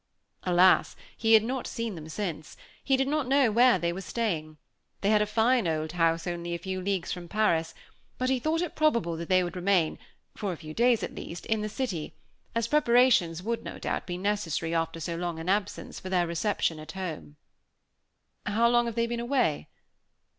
Alas! he had not seen them since. He did not know where they were staying. They had a fine old house only a few leagues from Paris; but he thought it probable that they would remain, for a few days at least, in the city, as preparations would, no doubt, be necessary, after so long an absence, for their reception at home. "How long have they been away?"